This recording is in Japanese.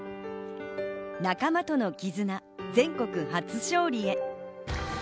仲間との絆、全国初勝利へ。